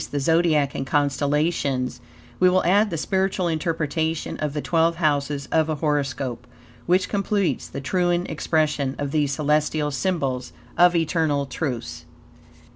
the Zodiac and constellations, we will add the spiritual interpretation of the twelve houses of an horoscope, which completes the triune expression of these celestial symbols of eternal truths.